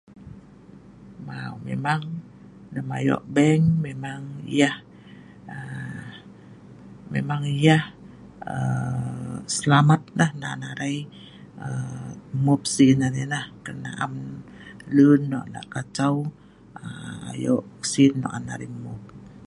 Lem ayo bank memang yah selamat nan arai mmup sin arai nah, am lun lak kacau sin nok an arai mmup